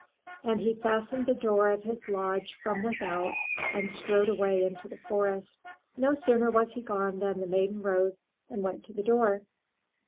And he fastened the door of his lodge from without and strode away into the forest. No sooner was he gone than the maiden rose and went to the door.